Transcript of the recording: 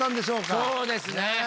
そうですね。